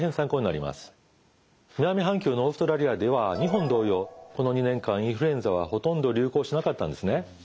南半球のオーストラリアでは日本同様この２年間インフルエンザはほとんど流行しなかったんですね。